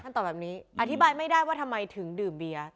ตอบแบบนี้อธิบายไม่ได้ว่าทำไมถึงดื่มเบียร์